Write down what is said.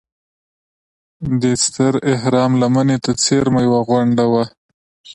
دې ستر اهرام لمنې ته څېرمه یوه غونډه وه.